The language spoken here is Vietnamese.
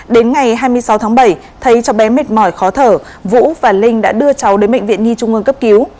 đến ngày hai mươi sáu tháng bảy thấy cháu bé mệt mỏi khó thở vũ và linh đã đưa cháu đến bệnh viện nhi trung ương cấp cứu